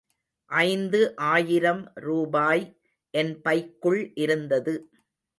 ஐந்து ஆயிரம் ரூபாய் என் பைக்குள் இருந்தது.